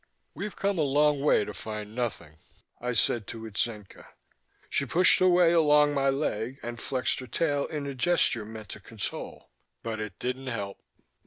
"We've come a long way to find nothing," I said to Itzenca. She pushed her way along my leg and flexed her tail in a gesture meant to console. But it didn't help.